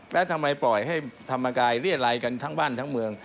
แล้วทำไมปล่อยให้ธรรมกายเรียรัยกันทั้งบ้านทั้งเมือง